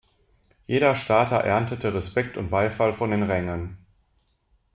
Jeder Starter erntete Respekt und Beifall von den Rängen.